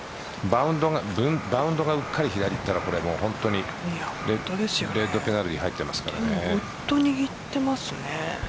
バウンドがうっかり左いったら本当にレッドペナルティーに入ってますからね。